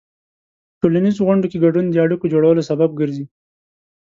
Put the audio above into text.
په ټولنیزو غونډو کې ګډون د اړیکو جوړولو سبب ګرځي.